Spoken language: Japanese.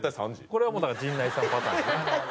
これはもうだから陣内さんパターンですね。